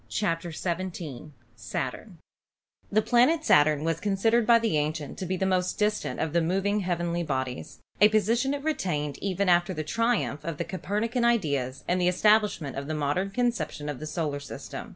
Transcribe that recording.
CHAPTER XVII The planet Saturn was considered by the ancients to be the most distant of the moving heavenly bodies, a posi tion it retained even after the triumph of the Copernican ideas and the establishment of the modern conception of the solar system.